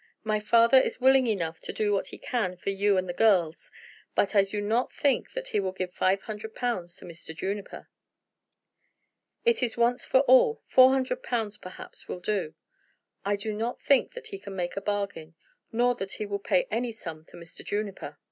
My father is willing enough to do what he can for you and the girls, but I do not think that he will give five hundred pounds to Mr. Juniper." "It is once for all. Four hundred pounds, perhaps, would do." "I do not think that he can make a bargain, nor that he will pay any sum to Mr. Juniper."